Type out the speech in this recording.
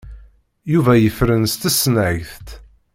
Yuba yefren s tesnagt.